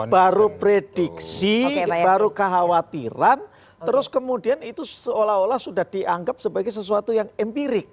baru prediksi baru kekhawatiran terus kemudian itu seolah olah sudah dianggap sebagai sesuatu yang empirik